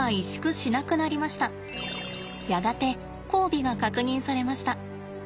やがて交尾が確認されました。